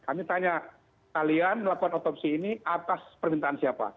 kami tanya kalian melakukan otopsi ini atas permintaan siapa